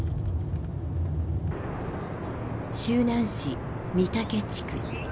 周南市金峰地区。